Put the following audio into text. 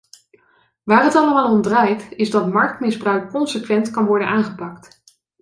Waar het allemaal om draait, is dat marktmisbruik consequent kan worden aangepakt.